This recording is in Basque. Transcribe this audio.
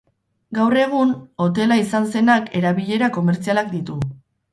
Gaur egun hotela izan zenak erabilera komertzialak ditu.